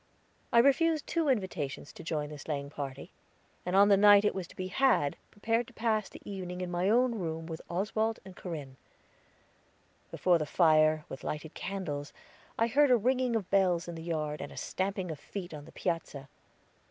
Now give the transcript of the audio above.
I refused two invitations to join the sleighing party, and on the night it was to be had prepared to pass the evening in my own room with Oswald and Corinne. Before the fire, with lighted candles, I heard a ringing of bells in the yard and a stamping of feet on the piazza.